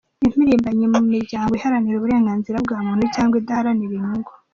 Impirimbanyi mu miryango iharanira uburenganzira bwa muntu cyangwa idaharanira inyungu